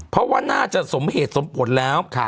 เพราะว่าน่าจะสมเหตุสมผลแล้ว